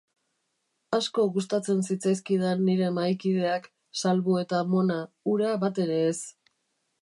Asko gustatzen zitzaizkidan nire mahaikideak, salbu eta Mona, hura batere ez.